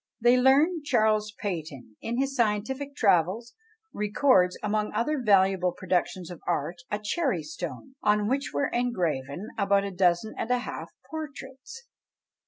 The learned Charles Patin, in his scientific travels, records, among other valuable productions of art, a cherry stone, on which were engraven about a dozen and a half of portraits!